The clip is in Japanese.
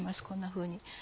こんなふうに。